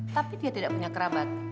tapi dia tidak punya kerabat